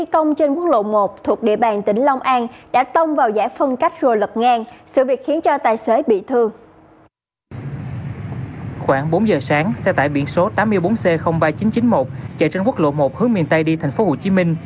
khoảng bốn giờ sáng xe tải biển số tám mươi bốn c ba nghìn chín trăm chín mươi một chạy trên quốc lộ một hướng miền tây đi tp hcm